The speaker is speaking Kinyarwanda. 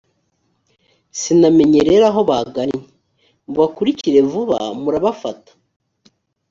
sinamenye rero aho bagannye. mubakurikire vuba, murabafata.